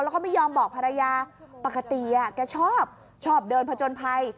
แล้วก็ไม่ยอมบอกภรรยาปกติแกชอบชอบเดินผจญภัย